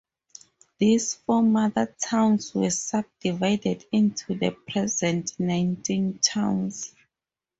These four mother towns were subdivided into the present nineteen towns.